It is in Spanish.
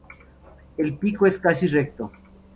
El pico es casi recto.